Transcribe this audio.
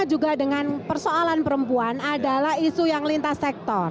sama juga dengan persoalan perempuan adalah isu yang lintas sektor